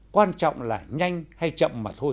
quan trọng là nhanh hay chậm mà thôi